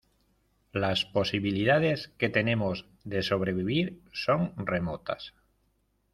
las posibilidades que tenemos de sobrevivir son remotas